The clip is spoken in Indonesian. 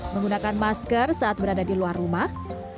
menggunakan masker saat berada di luar rumah